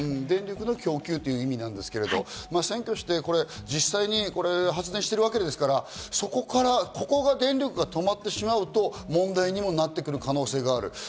電力の供給という意味ですけど、占拠して、実際に発電しているわけですからそこからここから電力が止まってしまうと問題にもなってくる可能性がある。